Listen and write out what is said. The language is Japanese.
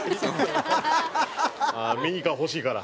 ミニカー欲しいから。